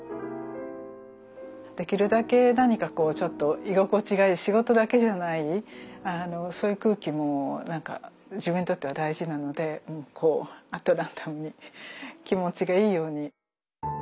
できるだけ何かちょっと居心地がいい仕事だけじゃないそういう空気も自分にとっては大事なのでこうアットランダムに気持ちがいいように。